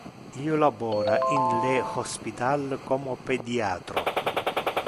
Io labora in le hospital como pediatro.